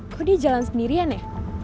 kok dia jalan sendirian ya